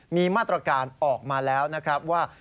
มีมาตรการออกมาแล้วนะครับว่า